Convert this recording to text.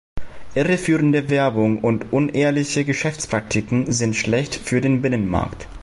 Irreführende Werbung und unehrliche Geschäftspraktiken sind schlecht für den Binnenmarkt.